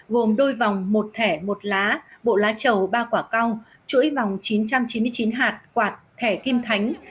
gồm đôi vòng một thẻ một lá bộ lá trầu ba quả cao chuỗi vòng chín trăm chín mươi chín hạt quạt thẻ kim thánh